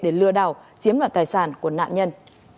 để lừa đảo chiếm đoạt tài sản của nạn nhân